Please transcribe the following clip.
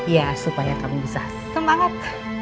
ya supaya kamu bisa sesem banget